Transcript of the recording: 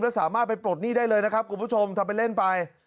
แล้วสามารถไปปลดหนี้ได้เลยนะครับคุณผู้ชมทำไปเล่นไป